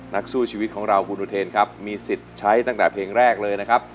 นักสู้ชีวิตของเราคุณอุเทนครับมีสิทธิ์ใช้ตั้งแต่เพลงแรกเลยนะครับ